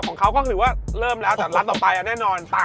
ของเขาก็คือว่าเริ่มแล้วแต่ร้านต่อไปแน่นอน